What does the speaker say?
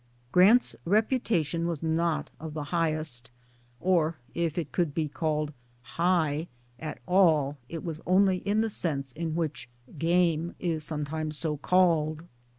Grant's reputation was not of the highest or if it could be called " high " at all it was only in the sense in which game is sometimes so called.